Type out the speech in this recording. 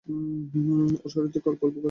ওর শরীর অল্প-অল্প করে কাঁপছে।